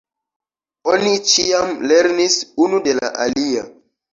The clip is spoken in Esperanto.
Oni ĉiam lernis unu de la alia.